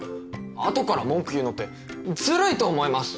後から文句言うのってずるいと思います。